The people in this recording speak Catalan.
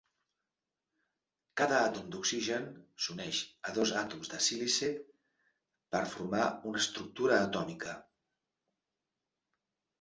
Cada àtom d"oxigen s"uneix a dos àtoms Si per formar una estructura atòmica.